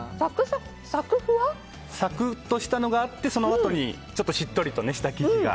サクッとしたのがあってそのあとにちょっとしっとりした生地が。